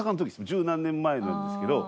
十何年前になるんですけど。